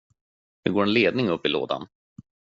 Det går en ledning upp i lådan.